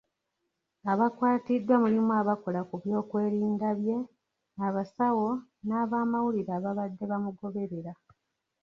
Abakwatiddwa mulimu abakola ku by'okwerinda bye, abasawo n'abamawulire ababadde bamugoberera.